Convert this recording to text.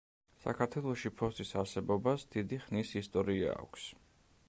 საქართველოში ფოსტის არსებობას დიდი ხნის ისტორია აქვს.